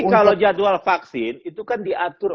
tapi kalau jadwal vaksin itu kan diatur